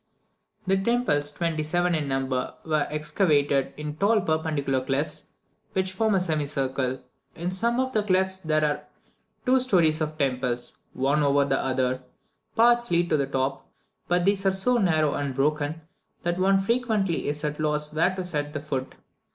The temples, twenty seven in number, are excavated in tall perpendicular cliffs, which form a semicircle. In some of the cliffs there are two stories of temples, one over the other; paths lead to the top, but these are so narrow and broken, that one is frequently at a loss where to set the foot.